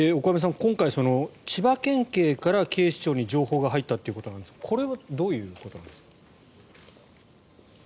今回、千葉県警から警視庁に情報が入ったということですがこれはどういうことですか。